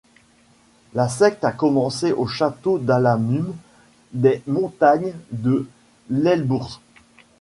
La secte a commencé au Château d'Alamut des montagnes de l'Elbourz.